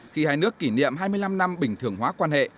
khi hai nước kỷ niệm hai mươi năm năm bình thường hóa quan hệ